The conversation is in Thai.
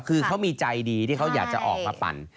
คือเขามีใจดีที่เขาอยากจะออกมาปั่น